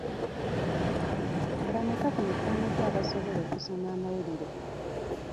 Bameka ku mikwano gyo abasobola okusoma amawulire?